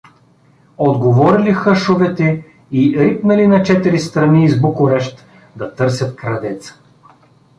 — отговорили хъшовете и рипнали на четири страни из Букурещ да търсят крадеца.